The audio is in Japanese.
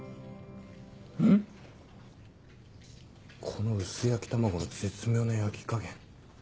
この薄焼き卵の絶妙な焼き加減。